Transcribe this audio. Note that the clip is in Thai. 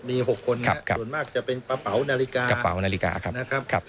มี๖คนครับส่วนมากจะเป็นกระเป๋านาฬิกากระเป๋านาฬิกาครับนะครับ